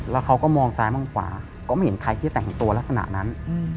แล้วเขาก็มองซ้ายมองขวาก็ไม่เห็นใครที่จะแต่งตัวลักษณะนั้น